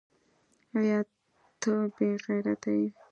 ایا ته بې غیرته یې ؟